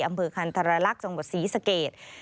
อำเภอคันทรลักษณ์จังหวัดศรีสเกต